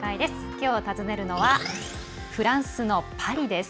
きょう訪ねるのはフランスのパリです。